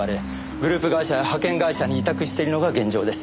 グループ会社や派遣会社に委託してるのが現状です。